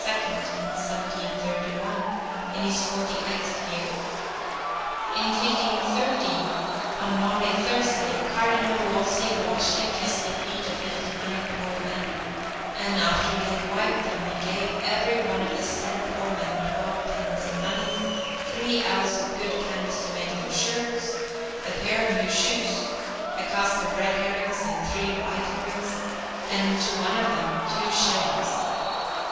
in 1731, in his forty eighth year. In 1530, on Maundy Thursday, Cardinal Wolsey washed and kissed the feet of fifty nine poor men, "and, after he had wiped them, he gave every one of the said poor men twelve pence in money, three ells of good canvas to make them shirts, a pair of new shoes, a cask of red herrings and three white herrings, and, to one of them, two shillings."